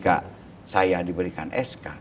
ketika saya diberikan sk